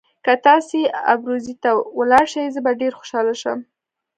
که تاسي ابروزي ته ولاړ شئ زه به ډېر خوشاله شم.